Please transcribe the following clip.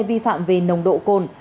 vi phạm về nồng độ cồn